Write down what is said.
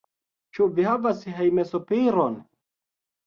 Ĉu vi havas hejmsopiron?